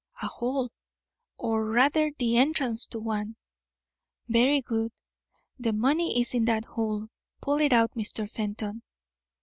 "A hole, or, rather, the entrance to one." "Very good; the money is in that hole. Pull it out, Mr. Fenton."